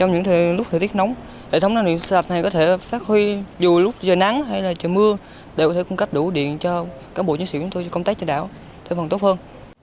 trong những lúc thời tiết nóng hệ thống năng lượng sạch này có thể phát huy dù lúc giờ nắng hay là trời mưa đều có thể cung cấp đủ điện cho các bộ chiến sĩ của chúng tôi công tác trên đảo thêm còn tốt hơn